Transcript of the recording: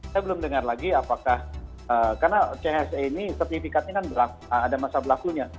saya belum dengar lagi apakah karena cse ini sertifikatnya kan ada masa berlakunya